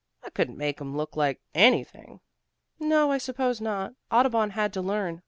I couldn't make 'em look like anything." "No, I suppose not. Audubon had to learn.